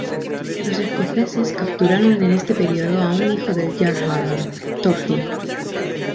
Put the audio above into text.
Los escoceses capturaron en este periodo a un hijo del jarl Harald, Thorfinn.